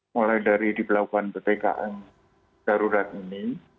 mulai dari di pelabuhan ptkm darurat ini